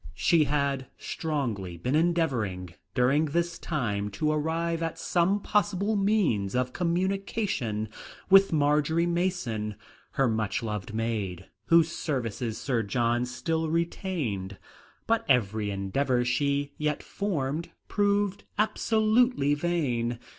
She had strongly been endeavouring during this time to arrive at some possible means of communication with Marjory Mason, her much loved maid, whose services Sir John still retained; but every endeavour she yet formed proved absolutely vain.